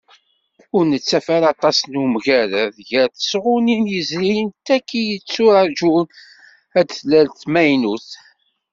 Ur nettaf ara aṭas n umgarad gar tesɣunin yezrin d tagi yetturaǧun ad d-tlal d tamaynut.